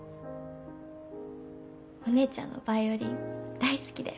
お姉ちゃんのヴァイオリン大好きだよ。